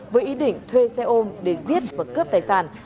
với ý định thuê xe ôm để giết và cướp tài sản